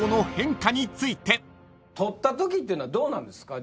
とったときっていうのはどうなんですか？